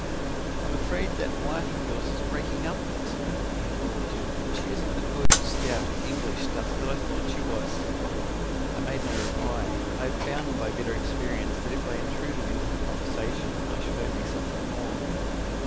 "'I'm afraid that wife of yours is breaking up, Lexman,' he drawled; 'she isn't the good, stout, English stuff that I thought she was.' "I made no reply. I had found by bitter experience that if I intruded into the conversation, I should only suffer the more.